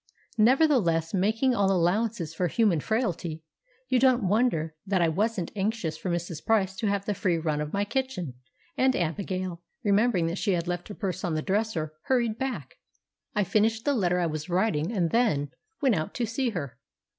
Nevertheless, making all allowances for human frailty, you don't wonder that I wasn't anxious for Mrs. Price to have the free run of my kitchen, and Abigail, remembering that she had left her purse on the dresser, hurried back. I finished the letter I was writing, and then went out to see her.